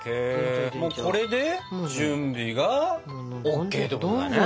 もうこれで準備がＯＫってことだね。